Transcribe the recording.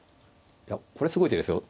いやこれはすごい手ですよ。